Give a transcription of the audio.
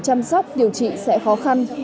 chăm sóc điều trị sẽ khó khăn